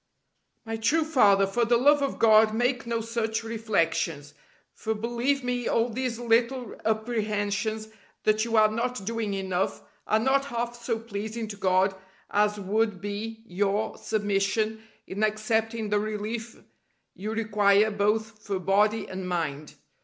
My true Father, for the love of God make no such reflections: for believe me all these little apprehensions that you are not doing enough are not half so pleasing to God as would be your submission in accepting the relief you require both for body and mind.